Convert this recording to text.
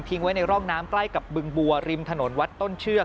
ไว้ในร่องน้ำใกล้กับบึงบัวริมถนนวัดต้นเชือก